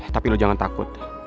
tapi lo jangan takut